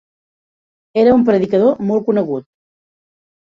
Era un predicador molt conegut.